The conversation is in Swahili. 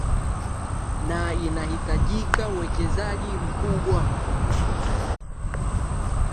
na inahitajika uwekezaji mkubwa